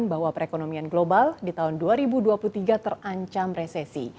bahwa perekonomian global di tahun dua ribu dua puluh tiga terancam resesi